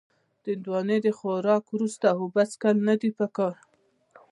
د هندوانې د خوراک وروسته اوبه څښل نه دي پکار.